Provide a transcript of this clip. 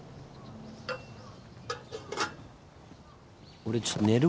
俺ちょっと寝るわ。